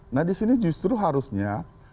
nah di sini justru harusnya